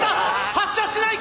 発車しない！